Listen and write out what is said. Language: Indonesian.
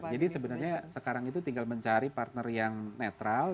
jadi sebenarnya sekarang itu tinggal mencari partner yang netral